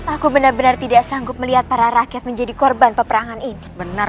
aku benar benar tidak sanggup melihat para rakyat menjadi korban peperangan ini